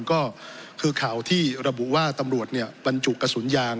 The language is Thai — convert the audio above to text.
ก็คือข่าวที่ระบุว่าตำรวจบรรจุกระสุนยาง